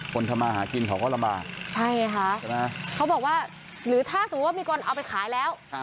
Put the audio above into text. ทำมาหากินเขาก็ลำบากใช่ไงคะใช่ไหมเขาบอกว่าหรือถ้าสมมุติว่ามีคนเอาไปขายแล้ว